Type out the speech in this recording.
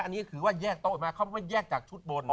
อันนี้คือว่าแยกโต๊ะมาเขาแยกจากชุดบน